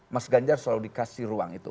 mas ganjar selalu dikasih ruang itu